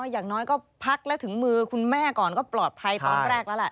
อย่างน้อยก็พักแล้วถึงมือคุณแม่ก่อนก็ปลอดภัยตอนแรกแล้วแหละ